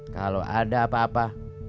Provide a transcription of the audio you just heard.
kalau ada apa apa